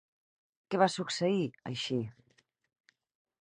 Què va succeir, així?